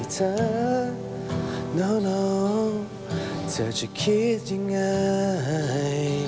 เธอไม่เธอจะคิดยังไง